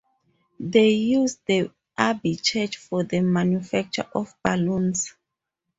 They used the abbey church for the manufacture of balloons.